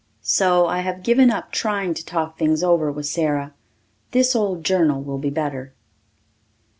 '" So I have given up trying to talk things over with Sara. This old journal will be better.